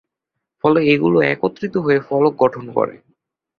ফলে এগুলো একত্রিত হয়ে ফলক গঠন করে।